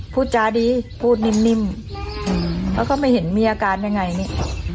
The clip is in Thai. พูดจาดีพูดนิ่มแล้วก็ไม่เห็นมีอาการยังไงนี่